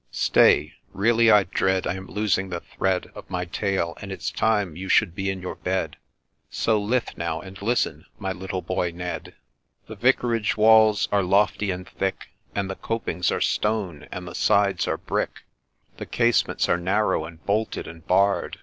—Stay — really I dread — I am losing the thread 102 THE WITCHES' FROLIC Of my tale ; and it 's time you should be in your bed, So lithe now, and listen, my little boy Ned ! The Vicarage walls are lofty and thick, And the copings are stone, and the sides are brick, The casements are narrow, and bolted and barr'd.